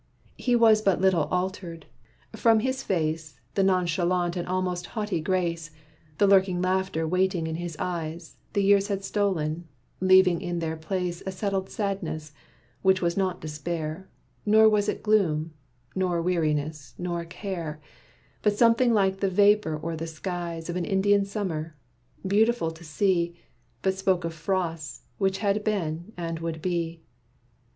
He was but little altered. From his face The nonchalant and almost haughty grace, The lurking laughter waiting in his eyes, The years had stolen, leaving in their place A settled sadness, which was not despair, Nor was it gloom, nor weariness, nor care, But something like the vapor o'er the skies Of Indian summer, beautiful to see, But spoke of frosts, which had been and would be.